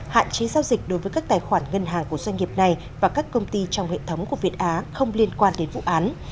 hạn chế giao dịch đối với các tài khoản ngân hàng của doanh nghiệp này và các công ty trong hệ thống của việt á không liên quan đến vụ án